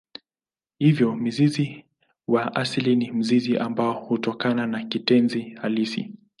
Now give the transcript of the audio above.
Hivyo mzizi wa asili ni mzizi ambao hutokana na kitenzi halisi.